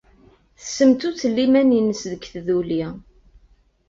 Tessemttuttel iman-nnes deg tduli.